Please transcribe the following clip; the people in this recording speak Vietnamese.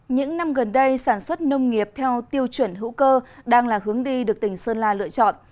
những năm gần đây sản xuất nông nghiệp theo tiêu chuẩn hữu cơ đang là hướng đi được tỉnh sơn la lựa chọn